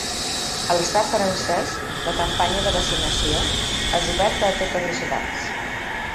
A l’estat francès, la campanya de vaccinació és oberta a totes les edats.